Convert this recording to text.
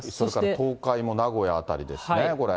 東海も名古屋辺りですね、これ。